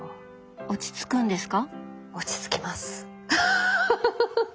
落ち着くんですか？